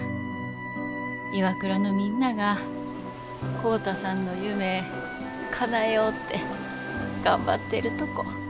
ＩＷＡＫＵＲＡのみんなが浩太さんの夢かなえよって頑張ってるとこ。